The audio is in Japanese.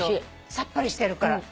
さっぱりしてるから。